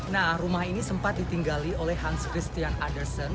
nah rumah ini sempat ditinggali oleh hans christian addeson